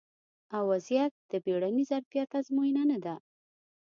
ا وضعیت د بیړني ظرفیت ازموینه نه ده